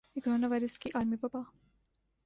کہ coronavirus کی عالمی وبا